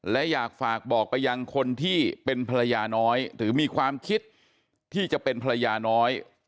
และอยากฝากบอกไปยังคนที่เป็นภรรยาน้อยหรือมีความคิดที่จะเป็นภรรยาน้อย